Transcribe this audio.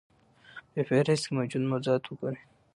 په فهرست کې موجود موضوعات وګورئ.